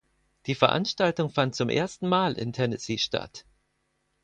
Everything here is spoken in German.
Die Veranstaltung fand zum ersten Mal in Tennessee statt.